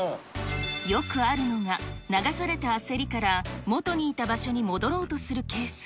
よくあるのが流された焦りから元にいた場所に戻ろうとするケース。